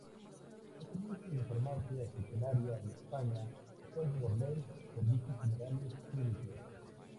Los servicios de farmacia hospitalaria, en España, son, por Ley, Servicios Generales Clínicos.